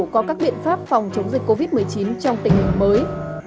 có các biện pháp phòng chống dịch covid một mươi chín trong tình hình mới